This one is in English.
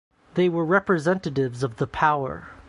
They were representatives of the power.